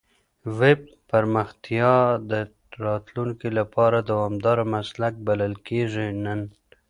ویب پرمختیا د راتلونکي لپاره دوامدار مسلک بلل کېږي نن.